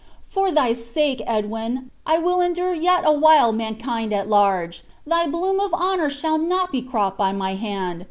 "For thy sake, Edwin, I will endure yet awhile mankind at large! Thy bloom of honor shall not be cropped by my hand.